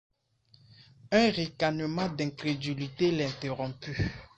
Un ricanement d’incrédulité l’interrompit.